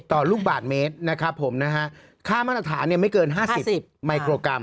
ต่อลูกบาทเมตรนะครับผมนะฮะค่ามาตรฐานไม่เกิน๕๐มิโครกรัม